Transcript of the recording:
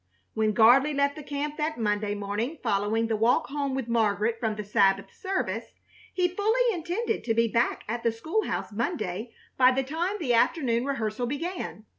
When Gardley left the camp that Monday morning following the walk home with Margaret from the Sabbath service, he fully intended to be back at the school house Monday by the time the afternoon rehearsal began.